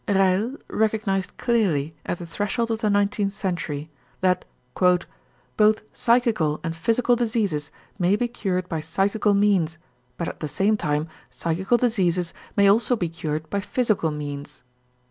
Reil recognized clearly at the threshold of the nineteenth century that "Both psychical and physical diseases may be cured by psychical means, but at the same time psychical diseases may also be cured by physical means."